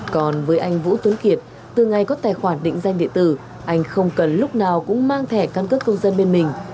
còn với anh vũ tuấn kiệt từ ngày có tài khoản định danh địa tử anh không cần lúc nào cũng mang thẻ căn cước công dân bên mình